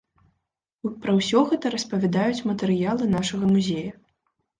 Пра ўсё гэта распавядаюць матэрыялы нашага музея.